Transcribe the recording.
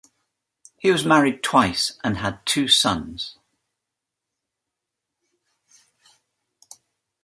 He was married twice and had two sons.